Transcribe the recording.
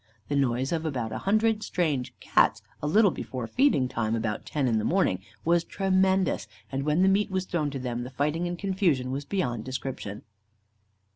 The noise of about a hundred strange Cats, a little before feeding time, about ten in the morning, was tremendous; and when the meat was thrown to them, the fighting and confusion was beyond description.